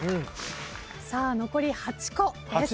残り８個です。